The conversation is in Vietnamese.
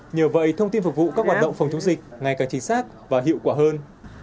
nhờ vậy thông tin phục vụ các hoạt động phòng chống dịch ngày càng chính xác và hiệu quả hơn